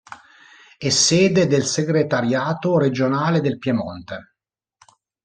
È sede del Segretariato regionale del Piemonte.